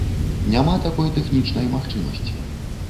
Няма такой тэхнічнай магчымасці.